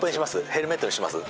ヘルメットにします？